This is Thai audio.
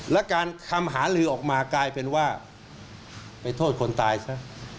และการคำหาลือออกมากลายเป็นว่าไปโทษคนตายซะ